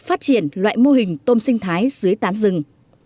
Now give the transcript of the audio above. phát triển loại mô hình tôm sinh thái dưới tán rừng